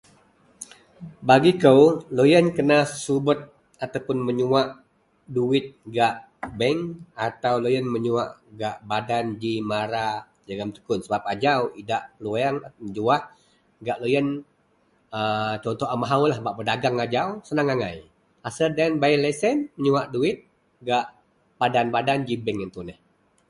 bagi kou louyen kena subet ataupun meyuwak duwit gak bank atau louyen meyuwak gak badan ji mara jegum skud sebab ajau idak peluang nejuah gak louyen a contoh a mahou bak pedageng ajau senang agai asel louyen bei lesen menyuwak duwit gak badan -badan ji bank ien tuneh